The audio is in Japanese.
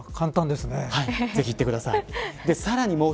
ぜひ行ってください。